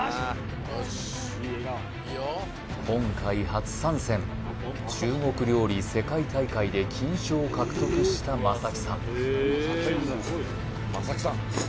今回初参戦中国料理世界大会で金賞を獲得した正木さん